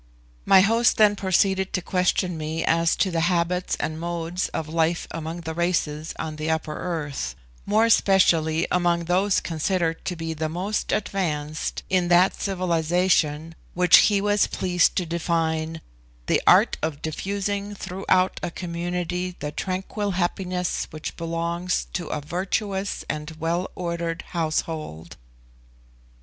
My host then proceeded to question me as to the habits and modes of life among the races on the upper earth, more especially among those considered to be the most advanced in that civilisation which he was pleased to define "the art of diffusing throughout a community the tranquil happiness which belongs to a virtuous and well ordered household."